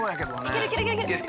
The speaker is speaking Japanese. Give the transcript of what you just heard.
いけるいけるいける！